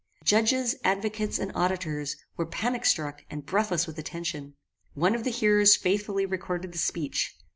Judges, advocates and auditors were panic struck and breathless with attention. One of the hearers faithfully recorded the speech.